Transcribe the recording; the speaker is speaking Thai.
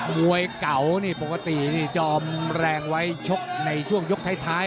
มวยเก่านี่ปกตินี่จอมแรงไว้ชกในช่วงยกท้าย